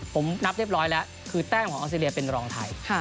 ผมนับเรียบร้อยแล้วคือแต้มของออสเตรเลียเป็นรองไทย